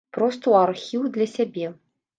Проста ў архіў для сябе.